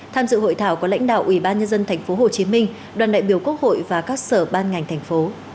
tham dự hội thảo có lãnh đạo ủy ban nhân dân tp hcm đoàn đại biểu quốc hội và các sở ban ngành thành phố